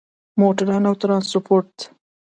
موټروان او ترانسپورت